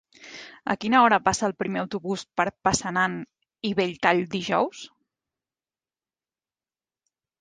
A quina hora passa el primer autobús per Passanant i Belltall dijous?